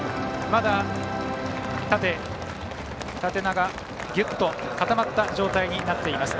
まだ縦長、ぎゅっと固まった状態になっています。